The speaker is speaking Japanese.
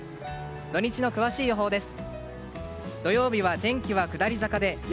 土日の詳しい予報です。